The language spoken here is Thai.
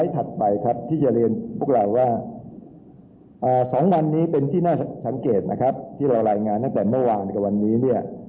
แต่สองวันนี้เป็นที่น่าสังเกตนะครับที่เรารายงานตั้งแต่เมื่อวานกับวันนี้